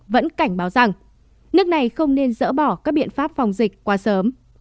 vẫn cảnh báo rằng nước này không nên dỡ bỏ các biện pháp phòng dịch qua sớm